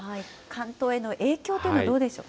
関東への影響というのはどうでしょう。